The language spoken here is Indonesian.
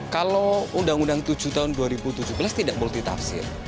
kalau undang undang tujuh tahun dua ribu tujuh belas tidak multitafsir